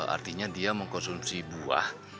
artinya dia mengkonsumsi buah